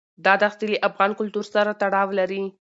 دا دښتې له افغان کلتور سره تړاو لري.